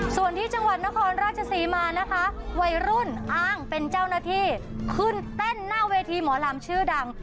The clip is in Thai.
ส่วนที่จังหวัดนครราชศรีมานะคะวัยรุ่นอ้างเป็นเจ้าหน้าที่ขึ้นเต้นหน้าเวทีหมอลำชื่อดัง